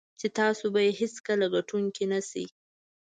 چې تاسو به یې هېڅکله ګټونکی نه شئ.